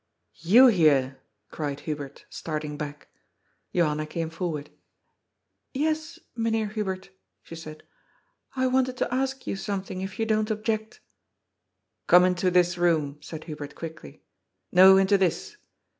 '*" You here " cried Hubert, starting back. Johanna came forward. " Yes, Mynheer Hubert," she said. *' I wanted to ask you something, if you don't ob ject." "Come into this room," said Hubert quickly. "No, into this."